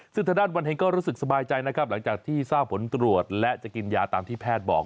ซึ่งทางด้านวันแห่งก็รู้สึกสบายใจนะครับหลังจากที่ทราบผลตรวจและจะกินยาตามที่แพทย์บอก